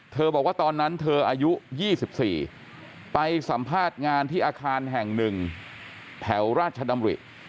บอกว่าตอนนั้นเธออายุ๒๔ไปสัมภาษณ์งานที่อาคารแห่งหนึ่งแถวราชดำริ